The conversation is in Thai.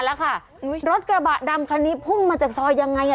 รถกระบะดำคันนี้พุ่งมาจากซอยยังไงอะ